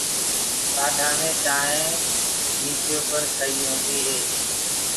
ڪآڌآ دي چآنٚينٚ سئي نيچي اُپر هوندي هي۔